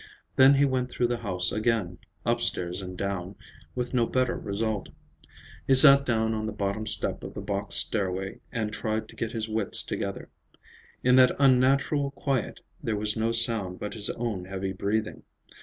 Then he went through the house again, upstairs and down, with no better result. He sat down on the bottom step of the box stairway and tried to get his wits together. In that unnatural quiet there was no sound but his own heavy breathing.